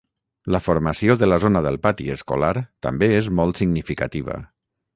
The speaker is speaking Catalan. La formació de la zona del pati escolar també és molt significativa.